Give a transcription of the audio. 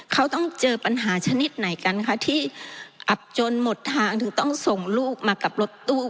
เขาต้องเจอปัญหาชนิดไหนกันคะที่อับจนหมดทางถึงต้องส่งลูกมากับรถตู้